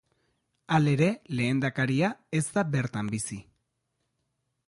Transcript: Halere, lehendakaria ez da bertan bizi.